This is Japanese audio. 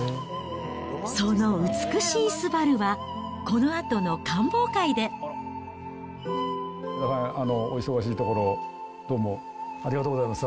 その美しいすばるは、皆さん、お忙しいところ、どうもありがとうございます。